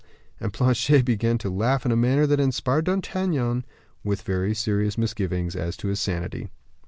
And Planchet began to laugh in a manner that inspired D'Artagnan with very serious misgivings as to his sanity.